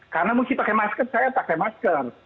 karena mesti pakai masker saya pakai masker